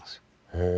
へえ。